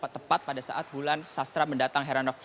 tepat pada saat bulan sastra mendatang heranov